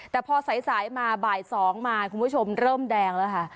แต่พอสายมาบ่าย๒มาคุณผู้ชมเริ่มแดงแล้วค่ะ